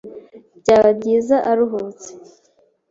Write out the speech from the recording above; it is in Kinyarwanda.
Byaba byiza uruhutse.